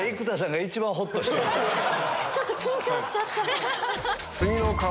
ちょっと緊張しちゃった。